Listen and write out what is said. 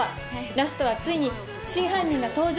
ラストはついに真犯人が登場！